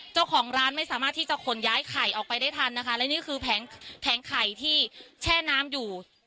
เจ้าของร้านไม่สามารถที่จะขนย้ายไข่ออกไปได้ทันนะคะและนี่คือแผงไข่ที่แช่น้ำอยู่